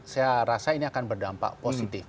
saya rasa ini akan berdampak positif